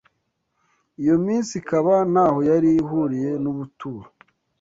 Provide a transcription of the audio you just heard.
iyo minsi ikaba ntaho yari ihuriye n’ubuturo